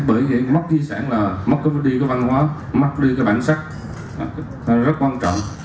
bởi vậy mắc di sản là mắc đi văn hóa mắc đi bản sắc rất quan trọng